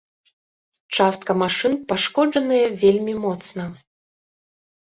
Частка машын пашкоджаная вельмі моцна.